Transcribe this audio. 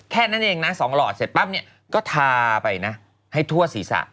แค่นั้นเองนะ๒หลอดเสร็จปั๊บเนี่ยก็ทาไปนะให้ทั่วศีรษะ